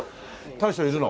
大将いるの？